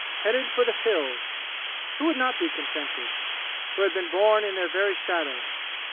Headed for the "Hills," who would not be contented, who had been born in their very shadow?